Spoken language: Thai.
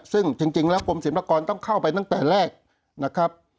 ซึ่งจริงแล้วกรมศิลปากรต้องเข้าไปตั้งแต่แรกนะครับ